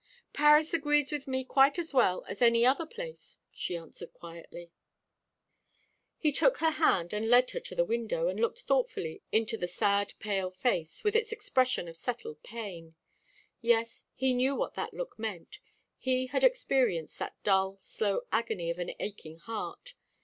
"Paris agrees with me quite as well as any other place," she answered quietly. He took her hand and led her to the window, and looked thoughtfully into the sad, pale face, with its expression of settled pain. Yes, he knew what that look meant; he had experienced that dull, slow agony of an aching heart.